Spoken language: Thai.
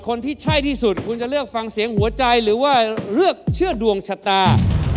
คนที่ใช่ที่สุดคุณจะเลือกฟังเสียงหัวใจหรือว่าเลือกเชื่อดวงชะตา